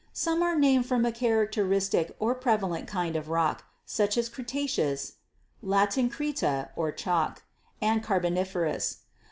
Some are named from a char acteristic or prevalent kind of rock, such as Cretaceous (Latin 'creta,' chalk) and Carboniferous.